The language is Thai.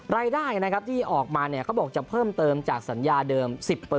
รายได้นะครับที่ออกมาเขาบอกจะเพิ่มเติมจากสัญญาเดิม๑๐